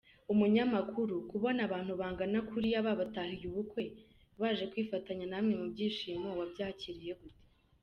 Umunyamakuru:Kubona abantu bangana kuriya babatahiye ubukwe, baje kwifatanya namwe mu byishimo, wabyakiriye gute?.